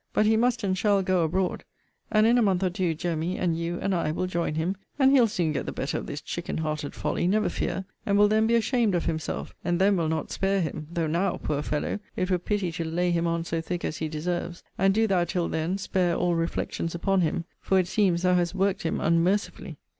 But he must and shall go abroad: and in a month or two Jemmy, and you, and I, will join him, and he'll soon get the better of this chicken hearted folly, never fear; and will then be ashamed of himself: and then we'll not spare him; though now, poor fellow, it were pity to lay him on so thick as he deserves. And do thou, till then, spare all reflections upon him; for, it seems, thou hast worked him unmercifully.